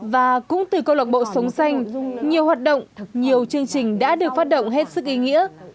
và cũng từ câu lạc bộ sống xanh nhiều hoạt động nhiều chương trình đã được phát động hết sức ý nghĩa